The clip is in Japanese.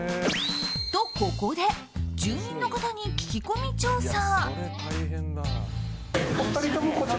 と、ここで住人の方に聞き込み調査。